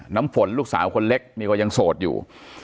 น้ำฝนลูกสาวคนเล็กนี่ก็ยังโสดอยู่